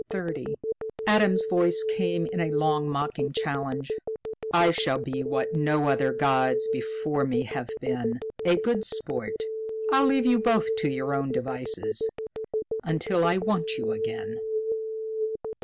Adam's voice came in a last mocking challenge: "I shall be what no other gods before me have been a good sport. I'll leave you both to your own devices, until I want you again."